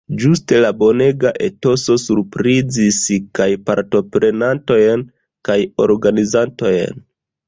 Ĝuste la bonega etoso surprizis kaj partoprenantojn kaj organizantojn.